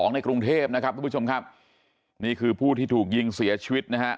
ในกรุงเทพชมครับนี่คือผู้ที่ถูกยิงเสียชีวิต